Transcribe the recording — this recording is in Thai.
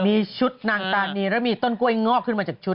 มีชุดนางตานีแล้วมีต้นกล้วยงอกขึ้นมาจากชุด